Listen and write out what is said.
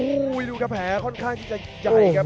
โอ้โหดูครับแผลค่อนข้างที่จะใหญ่ครับ